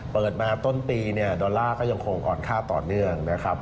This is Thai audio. เปิดมาต้นปีเนี่ยดอลลาร์ก็ยังคงอ่อนค่าต่อเนื่องนะครับ